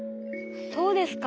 そうですか？